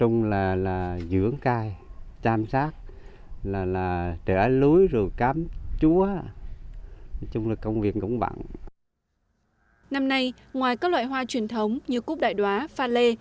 năm nay ngoài các loại hoa truyền thống như cúp đại đoá pha lê